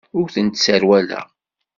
Ur tent-sserwaleɣ.